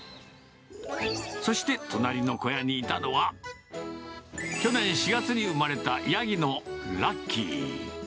そして隣の小屋にいたのは、去年４月に産まれたヤギのラッキー。